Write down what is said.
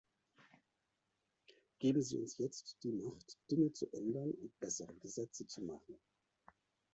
Geben Sie uns jetzt die Macht, Dinge zu ändern und bessere Gesetze zu machen.